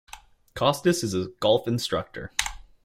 Kostis is a golf instructor.